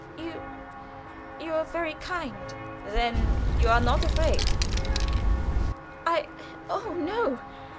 "You you are very kind." "Then you are not afraid?" "I oh, no!